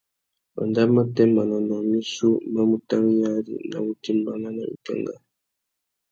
Wanda matê manônōh missú má mú taréyari nà wutimbāna nà wikangá.